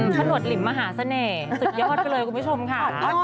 ฉนดหลิมมหาเสน่ห์สุดยอดไปเลยคุณผู้ชมค่ะ